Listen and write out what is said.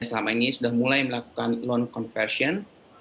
selama ini sudah mulai melakukan loan conversion